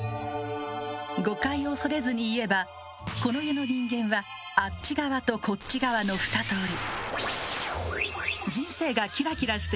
誤解を恐れずに言えばこの世の人間はあっち側とこっち側の２通り。